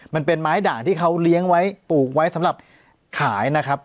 มันเป็นไม้ด่างที่เขาเลี้ยงไว้ปลูกไว้สำหรับขายนะครับ